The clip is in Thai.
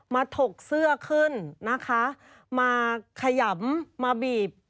ถกเสื้อขึ้นนะคะมาขยำมาบีบ